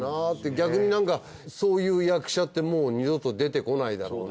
逆になんかそういう役者ってもう二度と出てこないだろうな。